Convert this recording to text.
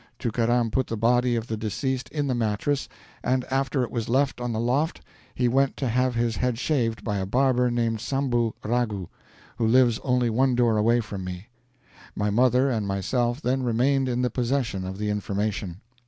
Tookaram put the body of the deceased in the mattress, and, after it was left on the loft, he went to have his head shaved by a barber named Sambhoo Raghoo, who lives only one door away from me. My mother and myself then remained in the possession of the information.